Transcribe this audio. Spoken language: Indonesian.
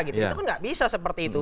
itu kan nggak bisa seperti itu